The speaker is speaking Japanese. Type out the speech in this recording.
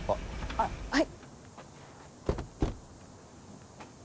あっはい。